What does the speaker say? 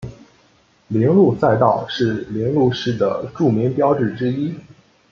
铃鹿赛道是铃鹿市的著名标志之一。